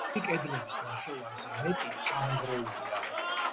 გრძივი კედლების ნახევარზე მეტი ჩამონგრეულია.